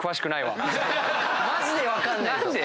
マジで分かんない。